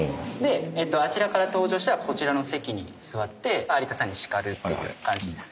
あちらから登場したらこちらの席に座って有田さんを叱るっていう感じです。